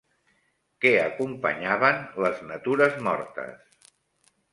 Què acompanyaven les natures mortes?